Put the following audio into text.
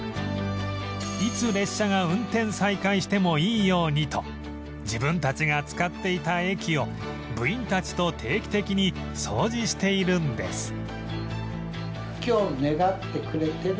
いつ列車が運転再開してもいいようにと自分たちが使っていた駅を部員たちと定期的に掃除しているんです